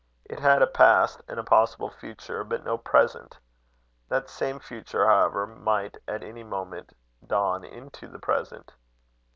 It had a past and a possible future, but no present. That same future, however, might at any moment dawn into the present.